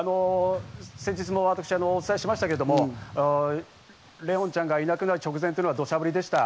先日も私お伝えしましたけど、怜音ちゃんがいなくなる直前は土砂降りでした。